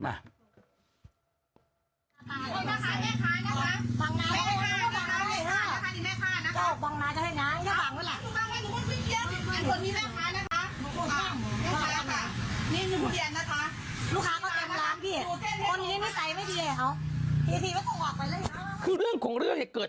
ทีไปส่งกอกไปเลยซึมเรื่องคงเรื่องให้เกิด